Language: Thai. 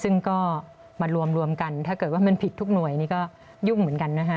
ซึ่งก็มารวมกันถ้าเกิดว่ามันผิดทุกหน่วยนี่ก็ยุ่งเหมือนกันนะฮะ